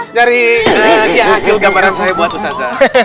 nah dia hasil gambaran saya buat ustadz